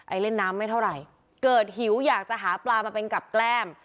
เล่นน้ำไม่เท่าไหร่เกิดหิวอยากจะหาปลามาเป็นกับแกล้ม